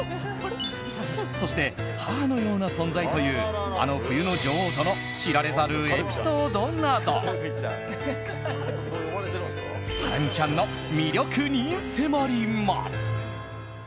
そして母のような存在というあの冬の女王との知られざるエピソードなどハラミちゃんの魅力に迫ります。